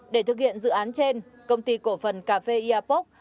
để thực hiện dự án trên công ty cổ phần cà phê iapoc